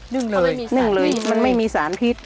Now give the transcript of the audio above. นึกเลยมันไม่มีสารพิษ